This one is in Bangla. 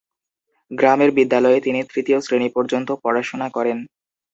গ্রামের বিদ্যালয়ে তিনি তৃতীয় শ্রেণি পর্যন্ত পড়াশুনা করেন।